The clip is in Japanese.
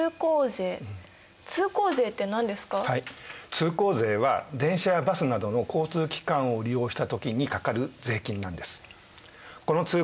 通行税は電車やバスなどの交通機関を利用した時にかかる税金なんです。